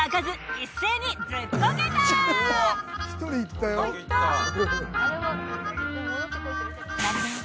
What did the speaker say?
１人行ったよ。